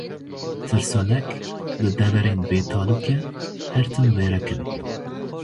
Tirsonek, li deverên bêtalûke her tim wêrek in.